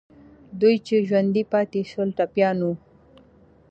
دوی چې ژوندي پاتې سول، ټپیان وو.